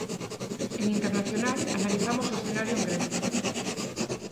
En internacional, analizamos o escenario en Grecia.